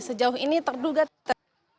sejauh ini terduga teroris